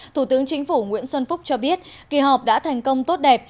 thủ tướng chính phủ nguyễn xuân phúc cho biết kỳ họp đã thành công tốt đẹp